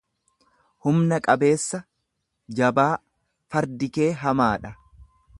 humna gabeessa, jabaa; Fardi kee hamaadha.